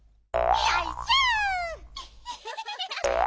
よいしょ！